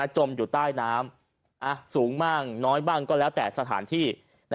จมอยู่ใต้น้ำสูงบ้างน้อยบ้างก็แล้วแต่สถานที่